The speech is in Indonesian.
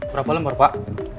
berapa lembar pak